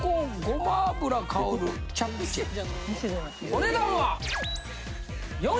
お値段は。